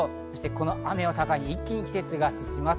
この雨を境に一気に季節が進みます。